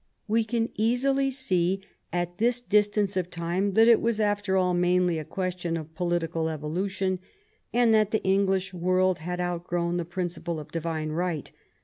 We can easily see at this distance of time that it was after all mainly a question of political evolution, and that the English world had outgrown the principle of divine right.